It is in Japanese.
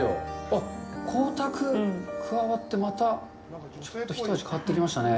あっ、光沢が加わって、また一味変わってきましたね。